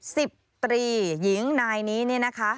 สิบตรีหญิงนายนี้เนี่ยนะคะ